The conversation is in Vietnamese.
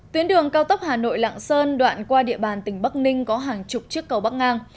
tuyến đường cao tốc hà nội lạng sơn đoạn qua địa bàn tỉnh bắc ninh có hàng chục chiếc cầu bắc ngang